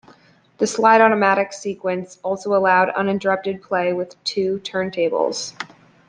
The slide-automatic sequence also allowed uninterrupted play with two turntables.